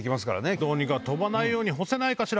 「どうにか飛ばないように干せないかしら。